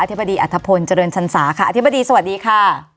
ธิบดีอัธพลเจริญชันสาค่ะอธิบดีสวัสดีค่ะ